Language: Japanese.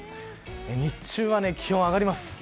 日中は気温が上がります。